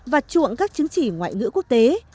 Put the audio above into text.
và chuộng các chứng chỉ ngoại ngữ quốc tế